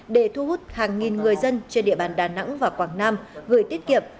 để thu hút hàng nghìn người dân trên địa bàn đà nẵng và quảng nam gửi tiết kiệm